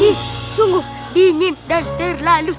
ini sungguh dingin dan terlalu